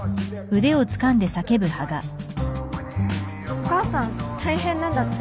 お母さん大変なんだって？